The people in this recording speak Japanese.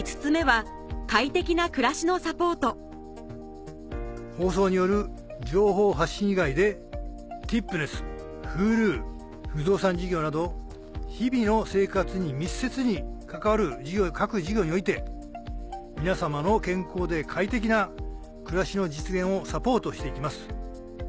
５つ目は放送による情報発信以外でティップネスＨｕｌｕ不動産事業など日々の生活に密接に関わる各事業において皆様の健康で快適な暮らしの実現をサポートして行きます。